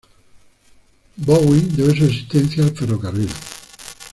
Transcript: Bowie debe su existencia al ferrocarril.